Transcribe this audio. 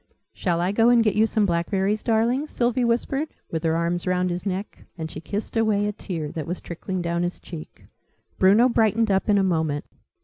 "Shall I go and get you some blackberries, darling?" Sylvie whispered, with her arms round his neck; and she kissed away a tear that was trickling down his cheek. Bruno brightened up in a moment.